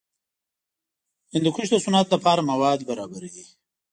هندوکش د صنعت لپاره مواد برابروي.